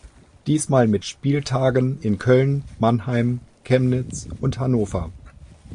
Diesmal mit Spieltagen in Köln, Mannheim, Chemnitz und Hannover.